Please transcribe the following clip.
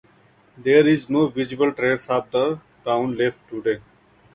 There is no visible trace of the town left today.